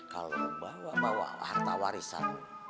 kalau bawa bawa harta warisan